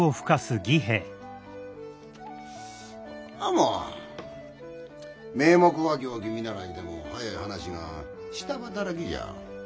もう名目は行儀見習いでも早い話が下働きじゃ。